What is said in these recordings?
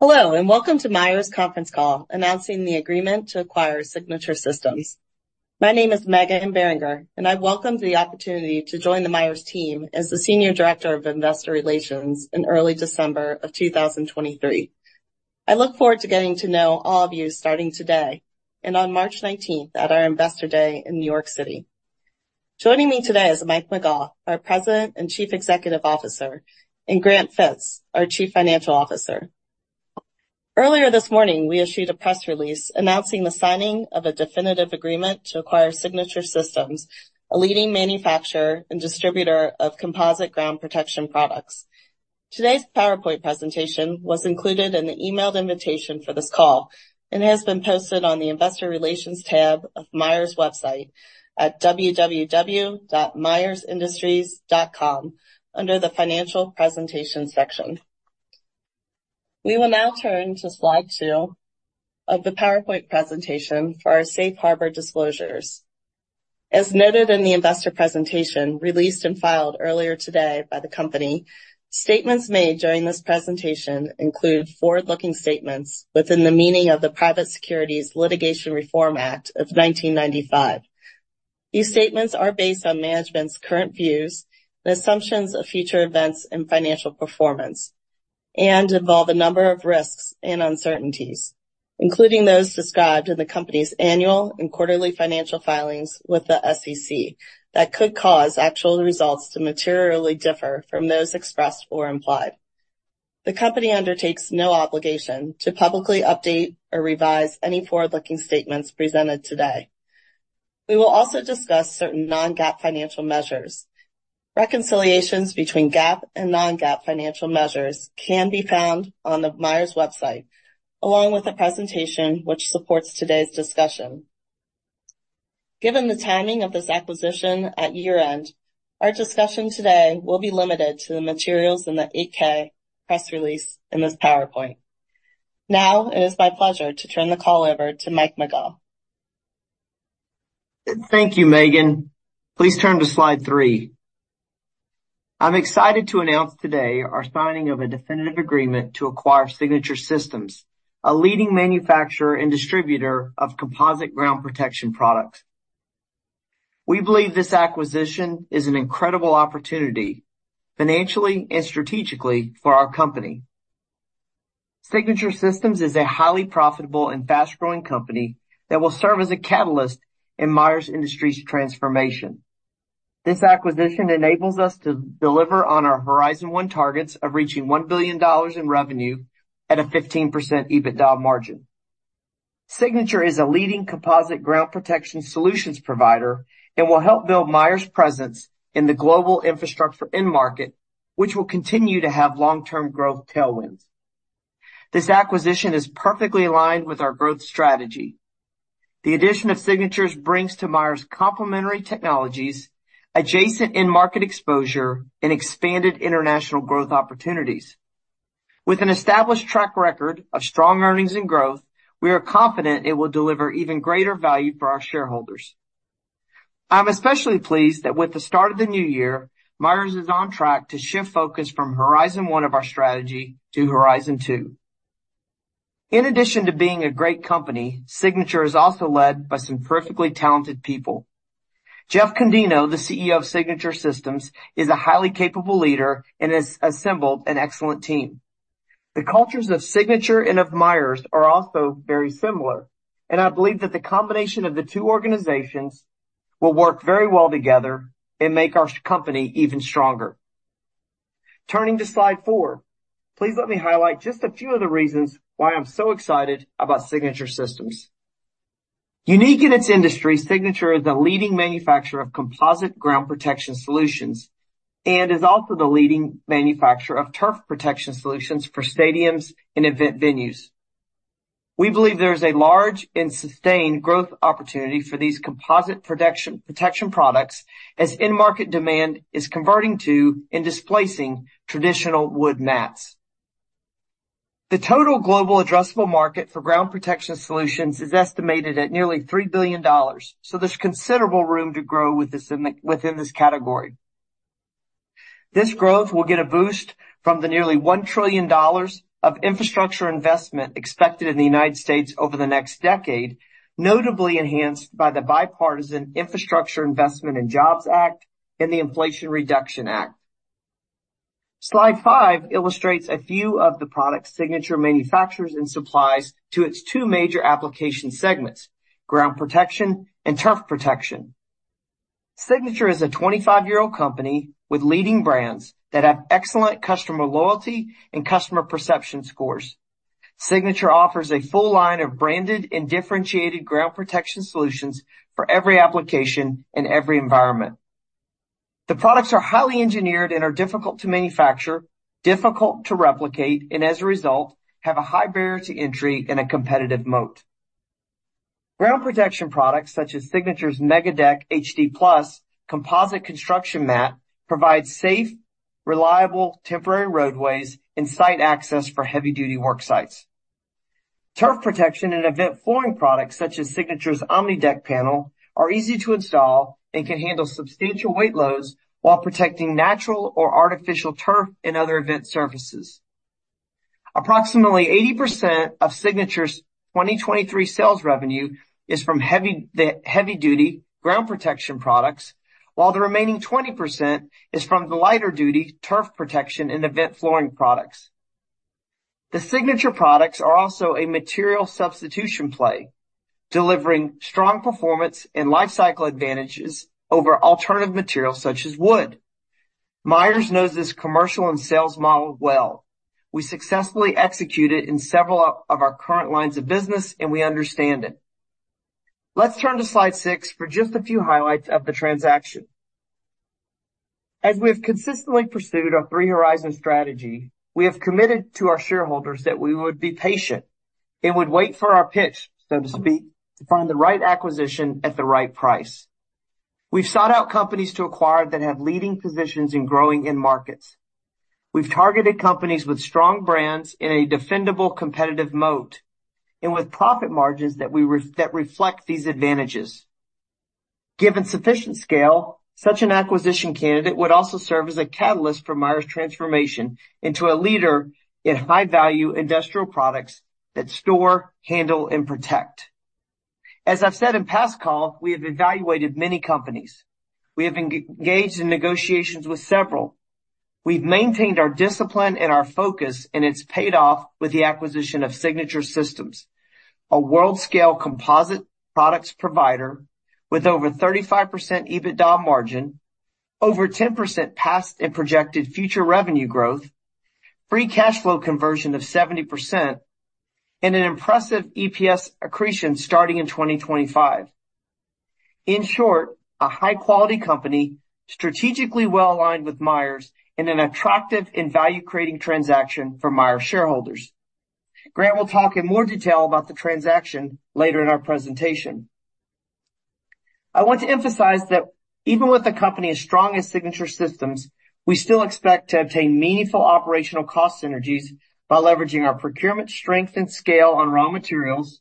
Hello, and welcome to Myers Conference Call, announcing the agreement to acquire Signature Systems. My name is Meghan Beringer, and I welcome the opportunity to join the Myers team as the Senior Director of Investor Relations in early December of 2023. I look forward to getting to know all of you starting today and on March nineteenth, at our Investor Day in New York City. Joining me today is Mike McGaugh, our President and Chief Executive Officer, and Grant Fitz, our Chief Financial Officer. Earlier this morning, we issued a press release announcing the signing of a definitive agreement to acquire Signature Systems, a leading manufacturer and distributor of composite ground protection products. Today's PowerPoint presentation was included in the emailed invitation for this call and has been posted on the Investor Relations tab of Myers' website at www.myersindustries.com, under the Financial Presentation section. We will now turn to slide two of the PowerPoint presentation for our Safe Harbor disclosures. As noted in the investor presentation, released and filed earlier today by the company, statements made during this presentation include forward-looking statements within the meaning of the Private Securities Litigation Reform Act of 1995. These statements are based on management's current views and assumptions of future events and financial performance, and involve a number of risks and uncertainties, including those described in the company's annual and quarterly financial filings with the SEC, that could cause actual results to materially differ from those expressed or implied. The company undertakes no obligation to publicly update or revise any forward-looking statements presented today. We will also discuss certain non-GAAP financial measures. Reconciliations between GAAP and non-GAAP financial measures can be found on the Myers website, along with a presentation which supports today's discussion. Given the timing of this acquisition at year-end, our discussion today will be limited to the materials in the 8-K press release in this PowerPoint. Now, it is my pleasure to turn the call over to Mike McGaugh. Thank you, Meghan. Please turn to slide three. I'm excited to announce today our signing of a definitive agreement to acquire Signature Systems, a leading manufacturer and distributor of composite ground protection products. We believe this acquisition is an incredible opportunity, financially and strategically for our company. Signature Systems is a highly profitable and fast-growing company that will serve as a catalyst in Myers Industries' transformation. This acquisition enables us to deliver on our Horizon One targets of reaching $1 billion in revenue at a 15% EBITDA margin. Signature is a leading composite ground protection solutions provider and will help build Myers' presence in the global infrastructure end market, which will continue to have long-term growth tailwinds. This acquisition is perfectly aligned with our growth strategy. The addition of Signature brings to Myers complementary technologies, adjacent end market exposure, and expanded international growth opportunities. With an established track record of strong earnings and growth, we are confident it will deliver even greater value for our shareholders. I'm especially pleased that with the start of the new year, Myers is on track to shift focus from Horizon One of our strategy to Horizon Two. In addition to being a great company, Signature is also led by some perfectly talented people. Jeff Condino, the CEO of Signature Systems, is a highly capable leader and has assembled an excellent team. The cultures of Signature and of Myers are also very similar, and I believe that the combination of the two organizations will work very well together and make our company even stronger. Turning to slide four, please let me highlight just a few of the reasons why I'm so excited about Signature Systems. Unique in its industry, Signature is a leading manufacturer of composite ground protection solutions and is also the leading manufacturer of turf protection solutions for stadiums and event venues. We believe there is a large and sustained growth opportunity for these composite protection products as end market demand is converting to and displacing traditional wood mats. The total global addressable market for ground protection solutions is estimated at nearly $3 billion, so there's considerable room to grow with this within this category. This growth will get a boost from the nearly $1 trillion of infrastructure investment expected in the United States over the next decade, notably enhanced by the Bipartisan Infrastructure Investment and Jobs Act and the Inflation Reduction Act. Slide five illustrates a few of the products Signature manufactures and supplies to its two major application segments: ground protection and turf protection. Signature is a 25-year-old company with leading brands that have excellent customer loyalty and customer perception scores. Signature offers a full line of branded and differentiated ground protection solutions for every application and every environment. The products are highly engineered and are difficult to manufacture, difficult to replicate, and as a result, have a high barrier to entry and a competitive moat. Ground protection products, such as Signature's MegaDeck HD+ composite construction mat, provide safe, reliable, temporary roadways and site access for heavy-duty work sites. Turf protection and event flooring products, such as Signature's OmniDeck panel, are easy to install and can handle substantial weight loads while protecting natural or artificial turf and other event surfaces. Approximately 80% of Signature's 2023 sales revenue is from the heavy-duty ground protection products, while the remaining 20% is from the lighter duty turf protection and event flooring products. The Signature products are also a material substitution play, delivering strong performance and lifecycle advantages over alternative materials such as wood. Myers knows this commercial and sales model well. We successfully executed in several of our current lines of business, and we understand it. Let's turn to slide six for just a few highlights of the transaction. As we have consistently pursued our Three Horizon Strategy, we have committed to our shareholders that we would be patient and would wait for our pitch, so to speak, to find the right acquisition at the right price. We've sought out companies to acquire that have leading positions in growing end markets. We've targeted companies with strong brands in a defendable, competitive moat, and with profit margins that reflect these advantages. Given sufficient scale, such an acquisition candidate would also serve as a catalyst for Myers transformation into a leader in high-value industrial products that store, handle, and protect. As I've said in past call, we have evaluated many companies. We have engaged in negotiations with several. We've maintained our discipline and our focus, and it's paid off with the acquisition of Signature Systems, a world-scale composite products provider with over 35% EBITDA margin, over 10% past and projected future revenue growth, free cash flow conversion of 70%, and an impressive EPS accretion starting in 2025. In short, a high-quality company, strategically well-aligned with Myers in an attractive and value-creating transaction for Myers shareholders. Grant will talk in more detail about the transaction later in our presentation. I want to emphasize that even with a company as strong as Signature Systems, we still expect to obtain meaningful operational cost synergies by leveraging our procurement strength and scale on raw materials,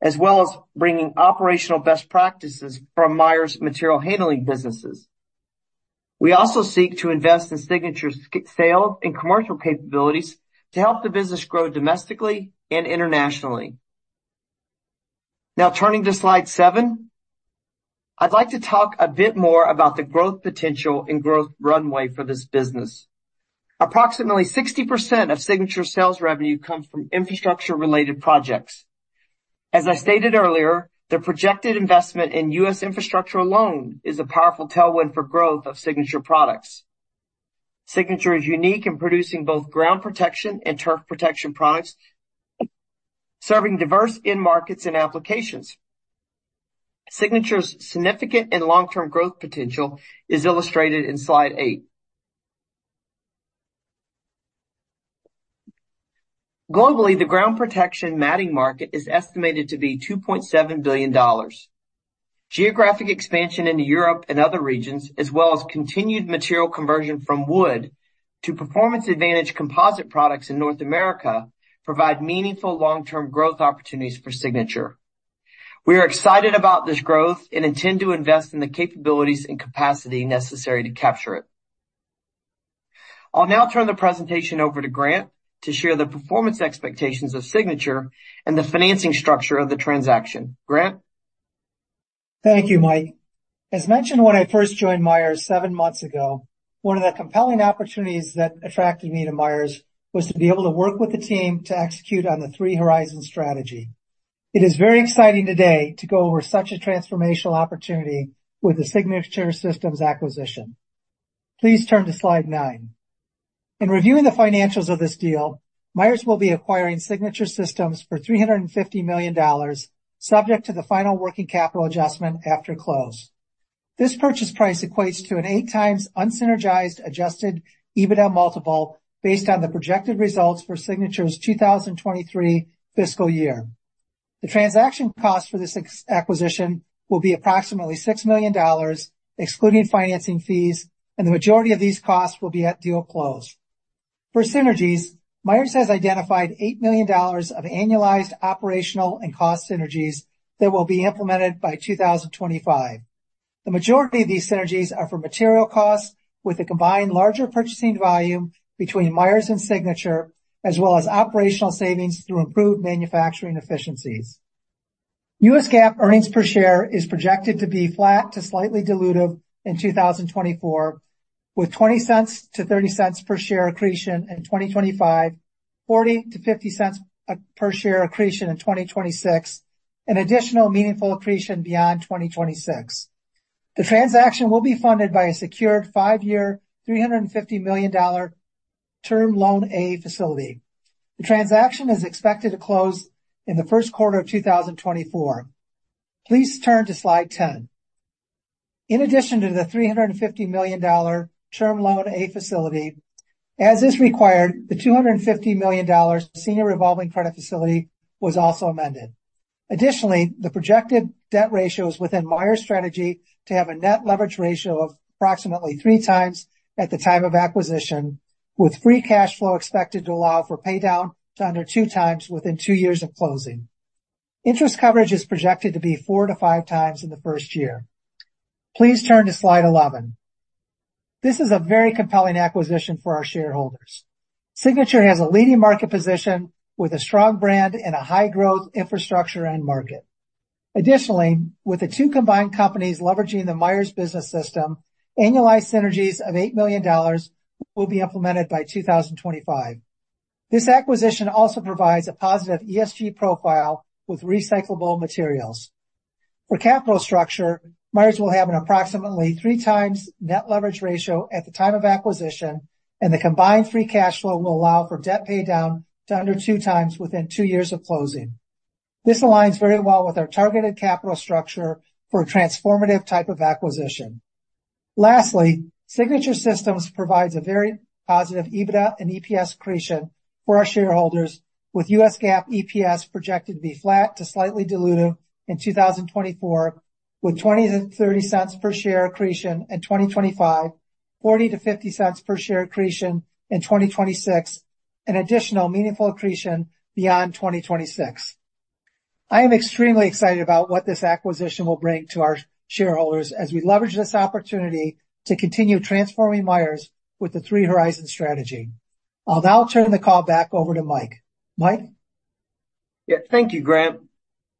as well as bringing operational best practices from Myers Material Handling businesses. We also seek to invest in Signature's sales and commercial capabilities to help the business grow domestically and internationally. Now, turning to slide seven, I'd like to talk a bit more about the growth potential and growth runway for this business. Approximately 60% of Signature sales revenue comes from infrastructure-related projects. As I stated earlier, the projected investment in U.S. infrastructure alone is a powerful tailwind for growth of Signature products. Signature is unique in producing both ground protection and turf protection products, serving diverse end markets and applications. Signature's significant and long-term growth potential is illustrated in slide eight. Globally, the ground protection matting market is estimated to be $2.7 billion. Geographic expansion into Europe and other regions, as well as continued material conversion from wood to performance advantage composite products in North America, provide meaningful long-term growth opportunities for Signature. We are excited about this growth and intend to invest in the capabilities and capacity necessary to capture it. I'll now turn the presentation over to Grant to share the performance expectations of Signature and the financing structure of the transaction. Grant? Thank you, Mike. As mentioned, when I first joined Myers seven months ago, one of the compelling opportunities that attracted me to Myers was to be able to work with the team to execute on the Three Horizon Strategy. It is very exciting today to go over such a transformational opportunity with the Signature Systems acquisition. Please turn to slide nine. In reviewing the financials of this deal, Myers will be acquiring Signature Systems for $350 million, subject to the final working capital adjustment after close. This purchase price equates to an 8x unsynergized adjusted EBITDA multiple, based on the projected results for Signature's 2023 fiscal year. The transaction cost for this acquisition will be approximately $6 million, excluding financing fees, and the majority of these costs will be at deal close. For synergies, Myers has identified $8 million of annualized operational and cost synergies that will be implemented by 2025. The majority of these synergies are for material costs, with a combined larger purchasing volume between Myers and Signature, as well as operational savings through improved manufacturing efficiencies. U.S. GAAP earnings per share is projected to be flat to slightly dilutive in 2024, with $0.20-$0.30 per share accretion in 2025, $0.40-$0.50 per share accretion in 2026, an additional meaningful accretion beyond 2026. The transaction will be funded by a secured five-year, $350 million term loan A facility. The transaction is expected to close in the first quarter of 2024. Please turn to slide 10. In addition to the $350 million Term Loan A facility, as is required, the $250 million senior revolving credit facility was also amended. Additionally, the projected debt ratio is within Myers' strategy to have a Net Leverage Ratio of approximately 3x at the time of acquisition, with Free Cash Flow expected to allow for pay down to under 2x within two years of closing. Interest coverage is projected to be 4x-5x in the first year. Please turn to slide 11. This is a very compelling acquisition for our shareholders. Signature has a leading market position with a strong brand and a high growth infrastructure end market. Additionally, with the two combined companies leveraging the Myers Business System, annualized synergies of $8 million will be implemented by 2025. This acquisition also provides a positive ESG profile with recyclable materials. For capital structure, Myers will have an approximately 3x Net Leverage Ratio at the time of acquisition, and the combined Free Cash Flow will allow for debt paydown to under 2x within two years of closing. This aligns very well with our targeted capital structure for a transformative type of acquisition. Lastly, Signature Systems provides a very positive EBITDA and EPS accretion for our shareholders, with U.S. GAAP EPS projected to be flat to slightly dilutive in 2024, with 20-30 cents per share accretion in 2025, 40-50 cents per share accretion in 2026, an additional meaningful accretion beyond 2026. I am extremely excited about what this acquisition will bring to our shareholders as we leverage this opportunity to continue transforming Myers with the Three Horizon Strategy. I'll now turn the call back over to Mike. Mike? Yeah, thank you, Grant.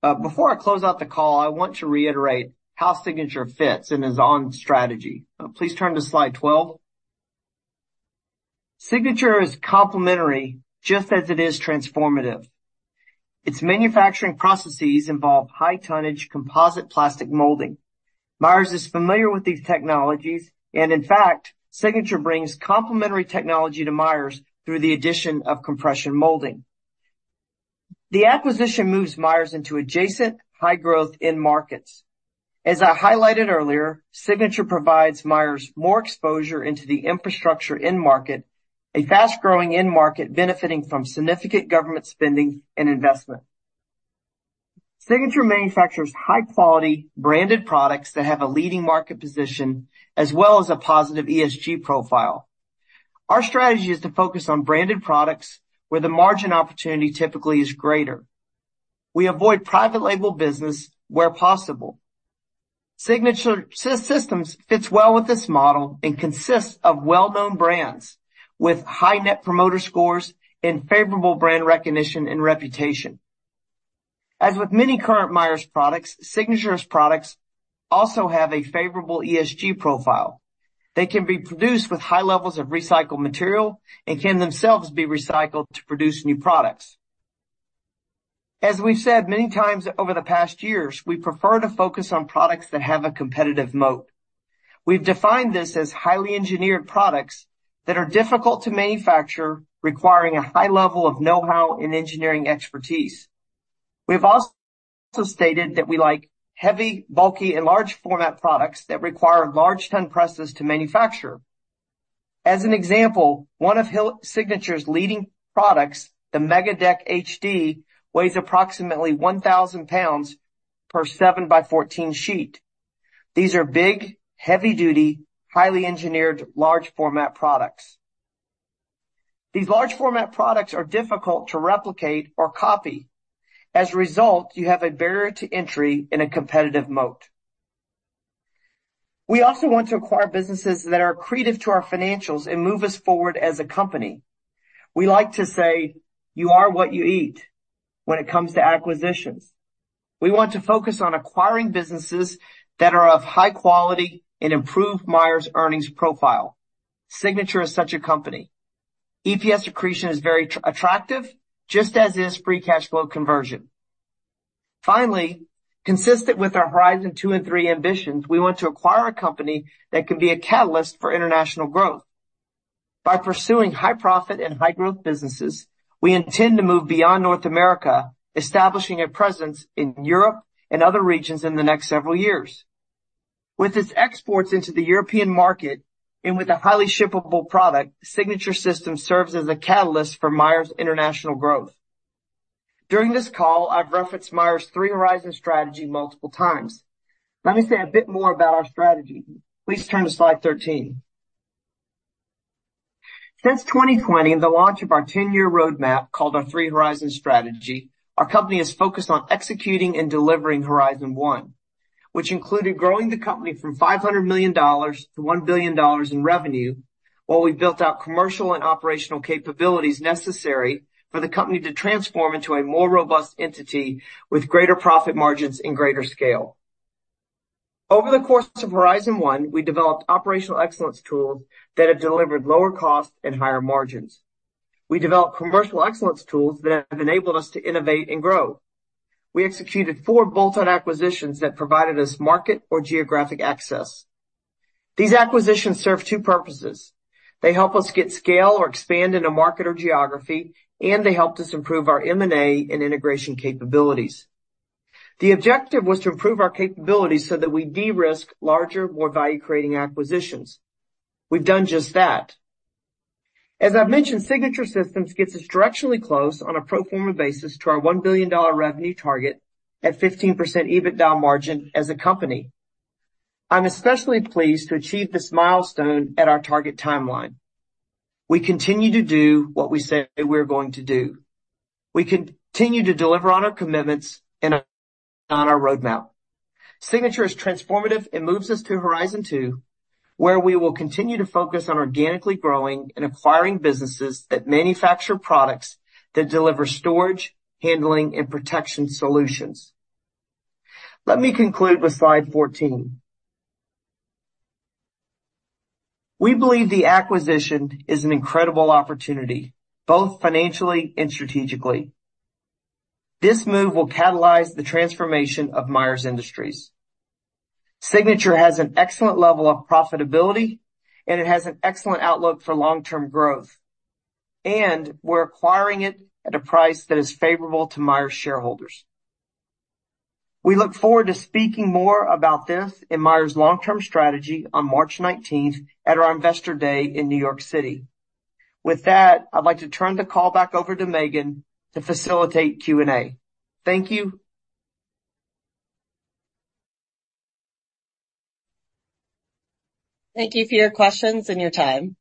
Before I close out the call, I want to reiterate how Signature fits in his own strategy. Please turn to slide 12. Signature is complementary, just as it is transformative. Its manufacturing processes involve high-tonnage composite plastic molding. Myers is familiar with these technologies, and in fact, Signature brings complementary technology to Myers through the addition of compression molding. The acquisition moves Myers into adjacent high-growth end markets. As I highlighted earlier, Signature provides Myers more exposure into the infrastructure end market, a fast-growing end market benefiting from significant government spending and investment. Signature manufactures high-quality branded products that have a leading market position as well as a positive ESG profile. Our strategy is to focus on branded products where the margin opportunity typically is greater. We avoid private label business where possible. Signature Systems fits well with this model and consists of well-known brands with high Net Promoter Scores and favorable brand recognition and reputation. As with many current Myers products, Signature's products also have a favorable ESG profile. They can be produced with high levels of recycled material and can themselves be recycled to produce new products. As we've said many times over the past years, we prefer to focus on products that have a competitive moat. We've defined this as highly engineered products that are difficult to manufacture, requiring a high level of know-how and engineering expertise. We've also stated that we like heavy, bulky, and large format products that require large ton presses to manufacture. As an example, one of Signature's leading products, the MegaDeck HD, weighs approximately 1,000 pounds per 7-by-14 sheet. These are big, heavy-duty, highly engineered, large format products. These large format products are difficult to replicate or copy. As a result, you have a barrier to entry in a competitive moat. We also want to acquire businesses that are accretive to our financials and move us forward as a company. We like to say, "You are what you eat," when it comes to acquisitions. We want to focus on acquiring businesses that are of high quality and improve Myers' earnings profile. Signature is such a company. EPS accretion is very attractive, just as is free cash flow conversion. Finally, consistent with our Horizon Two and Three ambitions, we want to acquire a company that can be a catalyst for international growth. By pursuing high profit and high growth businesses, we intend to move beyond North America, establishing a presence in Europe and other regions in the next several years. With its exports into the European market and with a highly shippable product, Signature Systems serves as a catalyst for Myers' international growth. During this call, I've referenced Myers' Three Horizon Strategy multiple times. Let me say a bit more about our strategy. Please turn to slide 13. Since 2020 and the launch of our 10-year roadmap, called our Three Horizon Strategy, our company is focused on executing and delivering Horizon One, which included growing the company from $500 million to $1 billion in revenue, while we built out commercial and operational capabilities necessary for the company to transform into a more robust entity with greater profit margins and greater scale. Over the course of Horizon One, we developed operational excellence tools that have delivered lower costs and higher margins. We developed commercial excellence tools that have enabled us to innovate and grow. We executed 4 bolt-on acquisitions that provided us market or geographic access. These acquisitions serve 2 purposes: They help us get scale or expand in a market or geography, and they helped us improve our M&A and integration capabilities. The objective was to improve our capabilities so that we de-risk larger, more value-creating acquisitions. We've done just that. As I've mentioned, Signature Systems gets us directionally close on a pro forma basis to our $1 billion revenue target at 15% EBITDA margin as a company. I'm especially pleased to achieve this milestone at our target timeline. We continue to do what we say we're going to do. We continue to deliver on our commitments and on our roadmap. Signature is transformative and moves us to Horizon Two, where we will continue to focus on organically growing and acquiring businesses that manufacture products that deliver storage, handling, and protection solutions. Let me conclude with slide 14. We believe the acquisition is an incredible opportunity, both financially and strategically. This move will catalyze the transformation of Myers Industries. Signature has an excellent level of profitability, and it has an excellent outlook for long-term growth, and we're acquiring it at a price that is favorable to Myers shareholders. We look forward to speaking more about this in Myers' long-term strategy on March nineteenth, at our Investor Day in New York City. With that, I'd like to turn the call back over to Meghan to facilitate Q&A. Thank you. Thank you for your questions and your time.